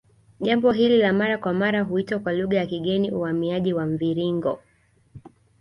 Jambo hili la mara kwa mara huitwa kwa lugha ya kigeni uhamiaji wa mviringo